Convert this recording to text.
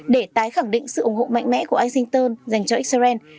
để tái khẳng định sự ủng hộ mạnh mẽ của washington dành cho israel